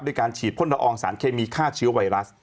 ด้วยการฉีดพ่นระองสารเคมีฆาตชิ้วไวรัส